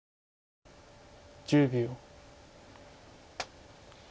１０秒。